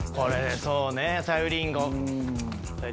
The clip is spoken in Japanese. そうねさゆりんご。